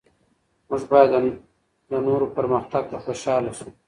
موږ باید د نورو پرمختګ ته خوشحال شو.